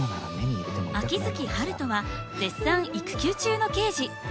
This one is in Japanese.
秋月春風は絶賛育休中の刑事。